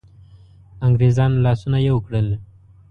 انګرېزانو لاسونه یو کړل.